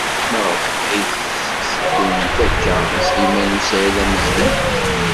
Maɣef ay as-tetteddumt akka i Sliman u Saɛid Amezdat?